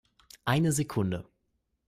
Eine Sekunde!